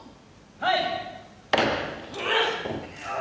はい！